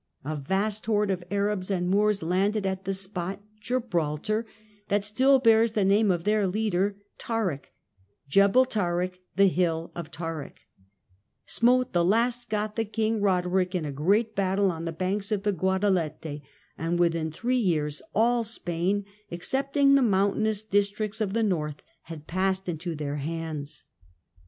A vast horde of Arabs and Moors, landing at the spot (Gibraltar) that still bears the name of their leader, Tarik (Gebel Tarik = the hill of Tarik) , smote the last Gothic king, Roderic, in a great battle on the banks of the Guadelete, and within three years all Spain, ex cepting the mountainous districts of the North, had passed into their hands.